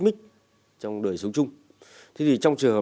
mày dối vợ tao bỏ nhà đi